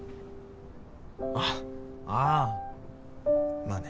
あああまあね。